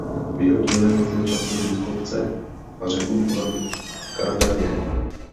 V jeho dílech lze často vidět kopce a řeku kolem Kadaně.